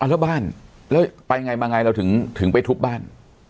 เอาแล้วบ้านแล้วไปไงมาไงแล้วถึงถึงไปทุบบ้าน